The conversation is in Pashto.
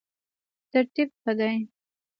ترتیب ښه دی.